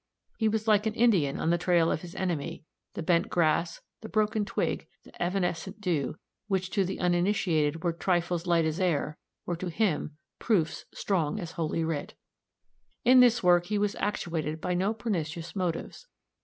He was like an Indian on the trail of his enemy the bent grass, the broken twig, the evanescent dew which, to the uninitiated, were "trifles light as air," to him were "proofs strong as Holy Writ." In this work he was actuated by no pernicious motives.